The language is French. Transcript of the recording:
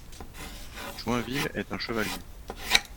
Joinville est un chevalier.